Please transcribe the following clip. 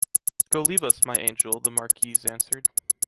“Go, leave us, my angel," the Marquise answered.